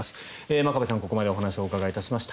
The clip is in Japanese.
真壁さんにここまでお話をお伺いしました。